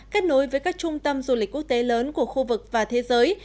kết nối với các trung tâm du lịch quốc tế lớn của khu vực và thế giới